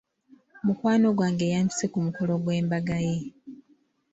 Mukwano gwange yampise ku mukolo gw'embaga ye.